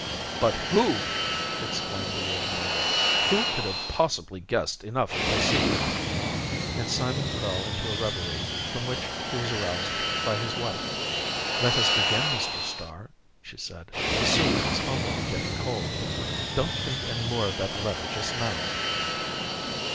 "But who," exclaimed the old miner, "who could have possibly guessed enough of my secret?" And Simon fell into a reverie, from which he was aroused by his wife. "Let us begin, Mr. Starr," she said. "The soup is already getting cold. Don't think any more of that letter just now."